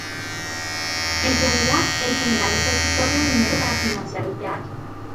En realidad, el general usó su propio dinero para financiar el teatro.